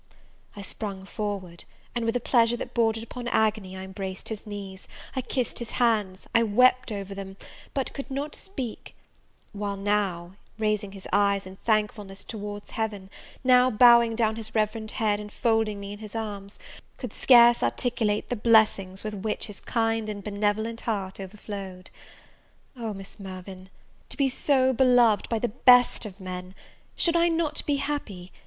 I sprung forward; and, with a pleasure that bordered upon agony, I embraced his knees, I kissed his hands, I wept over them, but could not speak: while he, now raising his eyes in thankfulness towards heaven, now bowing down his reverend head, and folding me in his arms, could scarce articulate the blessings with which his kind and benevolent heart overflowed. O, Miss Mirvan, to be so beloved by the best of men, should I not be happy?